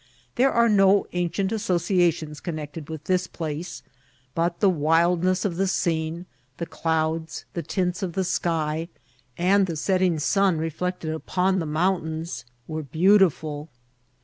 There aipe tto ancient associations connected with this jdace ; but the wildness of the scene, the clouds, the tints of the sky, and the setting sun reflected upon the mountains, were beautiful.